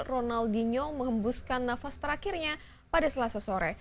ronaldinho mengembuskan nafas terakhirnya pada selasa sore